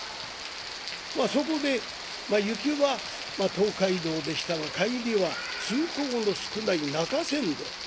まあそこで行きは東海道でしたが帰りは通行の少ない中山道。